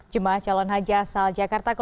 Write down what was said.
jemaah calon haji asal jakarta